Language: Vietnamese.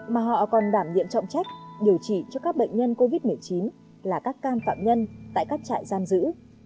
mà họ còn đảm nhiệm trọng trách điều trị cho các bệnh nhân covid một mươi chín là các can phạm nhân tại các trại giam giữ